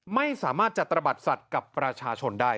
ไม่สามารถจะตระบัดสัตว์กับประชาชนได้